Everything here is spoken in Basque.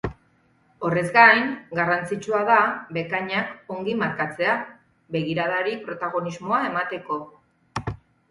Horrez gain, garrantzitsua da bekainak ongi markatzea, begiradari protagonismoa emateko.